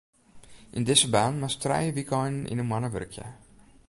Yn dizze baan moatst twa wykeinen yn 'e moanne wurkje.